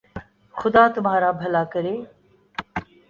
خدا تمہارر بھلا کرے